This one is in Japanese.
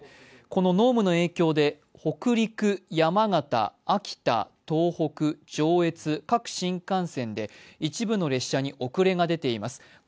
この濃霧の影響で、北陸、山形東北、上越、各新幹線で一部の列車に遅れが出ています。